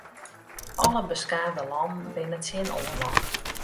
Alle beskaafde lannen binne tsjin oarloch.